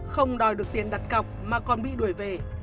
không đòi được tiền đặt cọc mà còn bị đuổi về